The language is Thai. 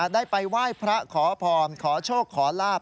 ได้ไปไหว้พระขอพรขอโชคขอลาบ